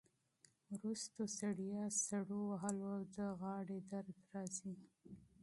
وروسته ستړیا، سړو وهلو او د غاړې درد راځي.